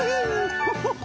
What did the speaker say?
ウフフフ。